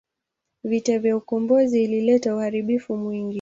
Vita ya ukombozi ilileta uharibifu mwingi.